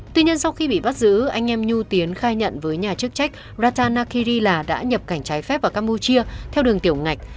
tuy nhiên sau khi bị bắt giữ anh em nhu tiến khai nhận với nhà chức trách ratanakiri la đã nhập cảnh trái phép vào campuchia theo đường tiểu ngạch